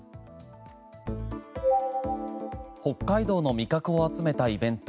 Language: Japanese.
北海道の味覚を集めたイベント